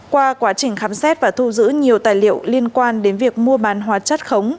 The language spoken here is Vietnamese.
qua quá trình khám xét và thu giữ nhiều tài liệu liên quan đến việc mua bán hóa chất khống